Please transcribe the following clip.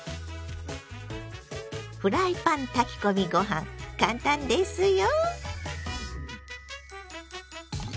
フライパン炊き込みご飯簡単ですよ。